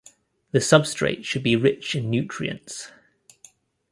The substrate should be rich in nutrients.